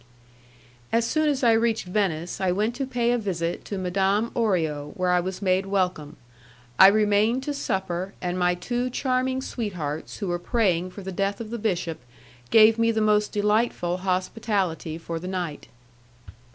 As soon as I reached Venice, I went to pay a visit to Madame Orio, where I was made welcome. I remained to supper, and my two charming sweethearts who were praying for the death of the bishop, gave me the most delightful hospitality for the night.